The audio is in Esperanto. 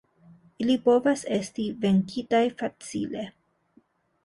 Ili povas esti venkitaj facile.